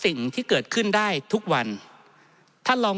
ท่านประธานครับนี่คือสิ่งที่สุดท้ายของท่านครับ